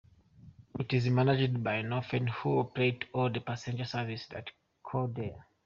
It is managed by Northern, who operate all passenger services that call there.